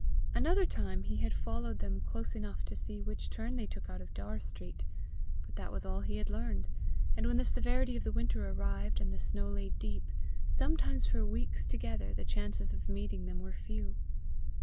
Another time he had followed them close enough to see which turn they took out of Daur street; but that was all he had learned, and when the severity of the winter arrived, and the snow lay deep, sometimes for weeks together, the chances of meeting them were few.